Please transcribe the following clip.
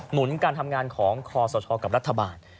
หนุนการทำงานของคอสชกับรัฐบาล